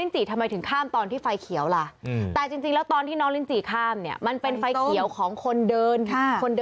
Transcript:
ตอนที่น้องลิ้นจิท่ามันเป็นไฟเขียวของคนเดิน